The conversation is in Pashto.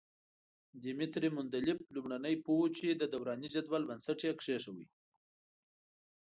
دیمتري مندلیف لومړنی پوه وو چې د دوراني جدول بنسټ یې کېښود.